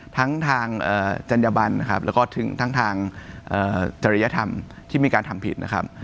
ทั้งทางจัญญบันนะครับแล้วก็ถึงทั้งทางจริยธรรมที่มีการทำผิดนะครับ